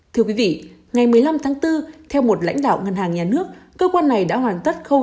thưa quý vị ngày một mươi năm tháng bốn theo một lãnh đạo ngân hàng nhà nước cơ quan này đã hoàn tất khâu